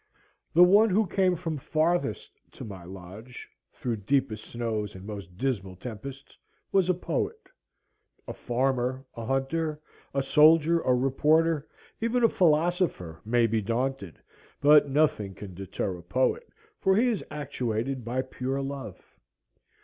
The one who came from farthest to my lodge, through deepest snows and most dismal tempests, was a poet. A farmer, a hunter, a soldier, a reporter, even a philosopher, may be daunted; but nothing can deter a poet, for he is actuated by pure love.